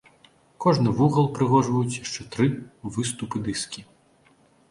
Кожны вугал упрыгожваюць яшчэ тры выступы-дыскі.